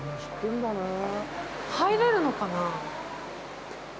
入れるのかなぁ。